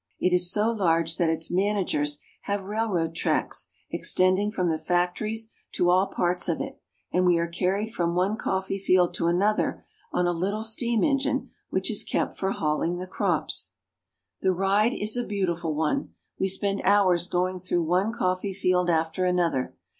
It is so large that its managers have railroad tracks extending from the factories to all parts of it, and we are carried from one coffee field to another on a little steam engine which is kept for hauling the crops. The ride is a beautiful one. We spend hours going through one coffee field after another.